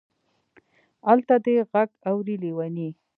الته دې غږ اوري لېونۍ.